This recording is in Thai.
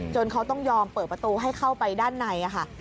เขาต้องยอมเปิดประตูให้เข้าไปด้านในค่ะ